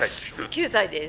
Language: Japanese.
９歳です。